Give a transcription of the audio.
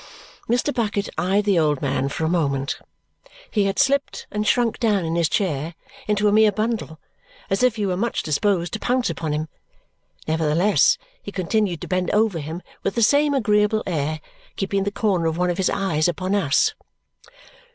Mr. Bucket eyed the old man for a moment he had slipped and shrunk down in his chair into a mere bundle as if he were much disposed to pounce upon him; nevertheless, he continued to bend over him with the same agreeable air, keeping the corner of one of his eyes upon us.